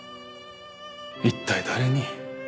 一体誰に？